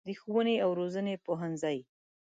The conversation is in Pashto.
د ښوونې او روزنې پوهنځی